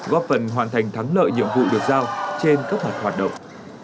góp phần hoàn thành thắng lợi nhiệm vụ được giao trên cấp hợp hoạt động